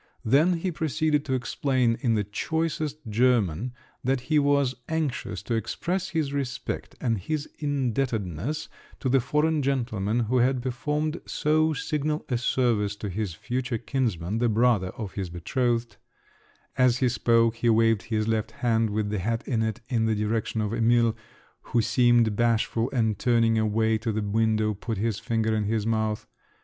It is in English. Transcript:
Then he proceeded to explain in the choicest German that he was anxious to express his respect and his indebtedness to the foreign gentleman who had performed so signal a service to his future kinsman, the brother of his betrothed; as he spoke, he waved his left hand with the hat in it in the direction of Emil, who seemed bashful and turning away to the window, put his finger in his mouth.